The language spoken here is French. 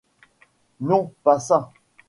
Non pas !